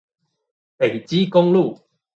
北基公路